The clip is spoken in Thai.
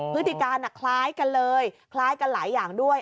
พฤติการคล้ายกันเลยคล้ายกันหลายอย่างด้วย